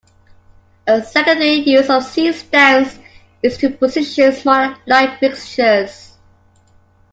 A secondary use of C-stands is to position smaller light fixtures.